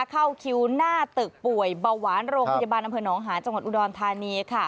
เข้าคิวหน้าตึกป่วยเบาหวานโรงพยาบาลอำเภอหนองหาจังหวัดอุดรธานี